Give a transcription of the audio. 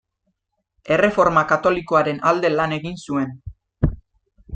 Erreforma Katolikoaren alde lan egin zuen.